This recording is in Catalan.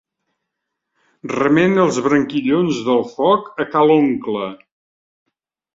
Remena els branquillons del foc a ca l'oncle.